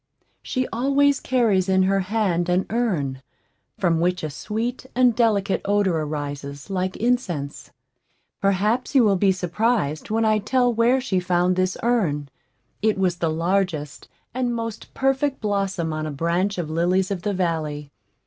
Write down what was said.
She always carries in her hand an urn, from which a sweet and delicate odor arises like incense. Perhaps you will be surprised when I tell where she found this urn. It was the largest and most perfect blossom on a branch of lilies of the valley.